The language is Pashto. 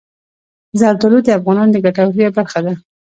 زردالو د افغانانو د ګټورتیا برخه ده.